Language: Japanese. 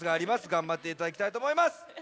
がんばっていただきたいとおもいます。